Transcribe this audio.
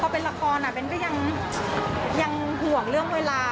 พอเป็นละครเบ้นก็ยังห่วงเรื่องเวลา